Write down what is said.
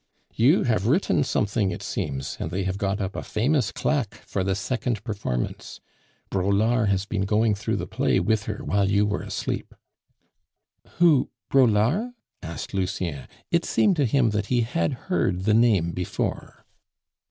You have written something, it seems, and they have got up a famous claque for the second performance. Braulard has been going through the play with her while you were asleep." "Who? Braulard?" asked Lucien; it seemed to him that he had heard the name before.